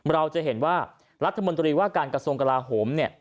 เราจะเห็นว่ารัฐมนตรีว่าการกระทรวงกลาโหมเนี่ย